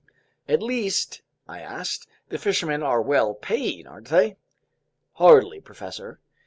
"At least," I asked, "the fishermen are well paid, aren't they?" "Hardly, professor.